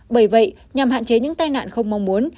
bởi vậy nhằm hạn chế những tai nạn không mong muốn